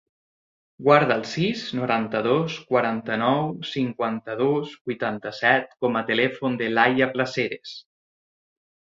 Guarda el sis, noranta-dos, quaranta-nou, cinquanta-dos, vuitanta-set com a telèfon de l'Aya Placeres.